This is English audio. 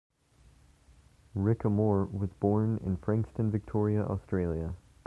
Rick Amor was born in Frankston, Victoria, Australia.